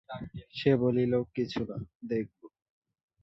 সে বলিল, কিছু না, দেখবো।